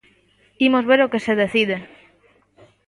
Imos ver o que se decide.